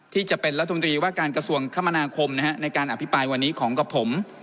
จะเป็นรัฐมนตรีว่าการกระทรวงคมนาคมในการอภิปรายวันนี้ของกับผม